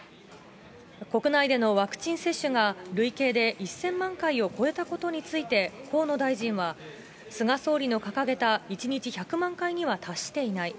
国内でのワクチン接種が累計で１０００万回を超えたことについて、河野大臣は菅総理の掲げた１日１００万回には達していない。